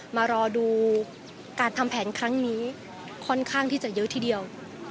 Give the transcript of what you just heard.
มารอดูการทำแผนครั้งนี้ค่อนข้างที่จะเยอะทีเดียว